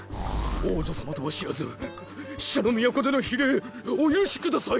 王女様とは知らず死者の都での非礼お許しください！